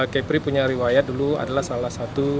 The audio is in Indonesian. kepri punya riwayat dulu adalah salah satu